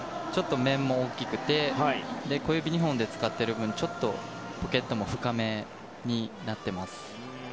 面も大きくて、小指２本で使っている分、ちょっとポケットも深めになってます。